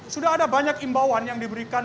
sudah ada banyak imbauan yang diberikan